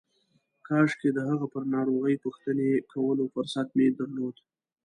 کاشکې د هغه پر ناروغۍ پوښتنې کولو فرصت مې درلود.